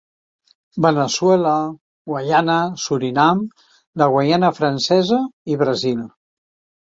Veneçuela, Guaiana, Surinam, la Guaiana Francesa i Brasil.